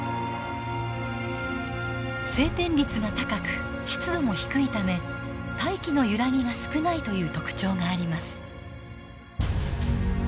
晴天率が高く湿度も低いため大気の揺らぎが少ないという特徴があります。